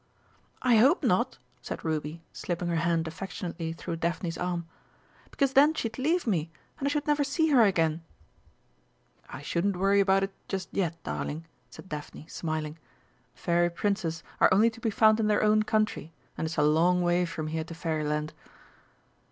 "I hope not," said Ruby, slipping her hand affectionately through Daphne's arm, "because then she'd leave me, and I should never see her again!" "I shouldn't worry about it just yet, darling," said Daphne, smiling. "Fairy Princes are only to be found in their own country and it's a long way from here to Fairyland."